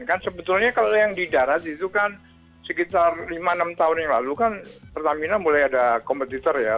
kan sebetulnya kalau yang di darat itu kan sekitar lima enam tahun yang lalu kan pertamina mulai ada kompetitor ya